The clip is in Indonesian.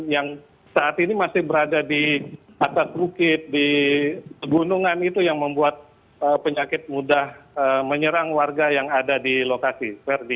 yang saat ini masih berada di atas bukit di gunungan itu yang membuat penyakit mudah menyerang warga yang ada di lokasi